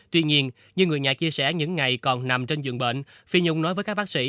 tuy nhiên như người nhà chia sẻ những ngày còn nằm trên giường bệnh phi nhung nói với các bác sĩ